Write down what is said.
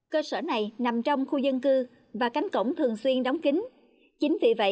cơ sở này nằm trong khu dân cư và cánh cổng thường xuyên đóng kính chính vì vậy